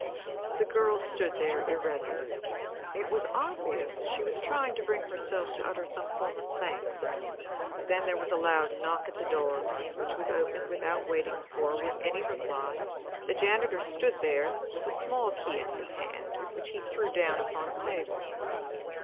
The girl stood there, irresolute. It was obvious that she was trying to bring herself to utter some form of thanks. Then there was a loud knock at the door, which was opened without waiting for any reply. The janitor stood there with a small key in his hand, which he threw down upon a table.